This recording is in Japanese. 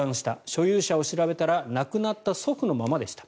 所有者を調べたら亡くなった祖父のままでした。